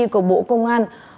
của bộ công an